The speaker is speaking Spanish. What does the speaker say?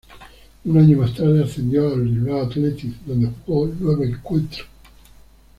Un año más tarde ascendió al Bilbao Athletic, donde jugó nueve encuentros.